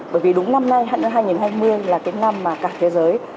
bởi vì đúng năm nay hẳn là hai nghìn hai mươi là cái năm mà cả thế giới